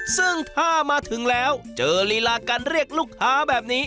ซึ่งถ้ามาถึงแล้วเจอลีลาการเรียกลูกค้าแบบนี้